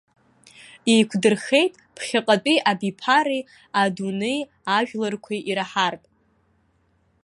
Еиқәдырхеит ԥхьаҟатәи абиԥареи адунеи ажәларқәеи ираҳартә.